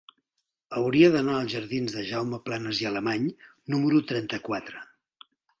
Hauria d'anar als jardins de Jaume Planas i Alemany número trenta-quatre.